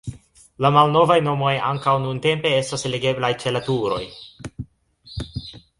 La malnovaj nomoj ankaŭ nuntempe estas legeblaj ĉe la turoj.